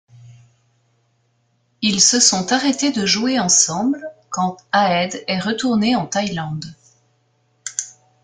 Ils se sont arrêtés de jouer ensemble quand Aed est retourné en Thaïlande.